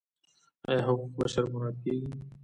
آیا حقوق بشر مراعات کیږي؟